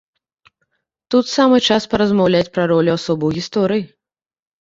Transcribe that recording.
Тут самы час паразмаўляць пра ролю асобы ў гісторыі.